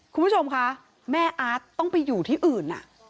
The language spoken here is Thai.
คุณผู้ชมคะแม่อาร์ตต้องไปอยู่ที่อื่น